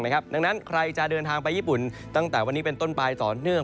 ดังนั้นใครจะเดินทางไปญี่ปุ่นตั้งแต่วันนี้เป็นต้นไปต่อเนื่อง